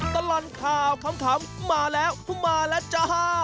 ตลอดข่าวขำมาแล้วมาแล้วจ้า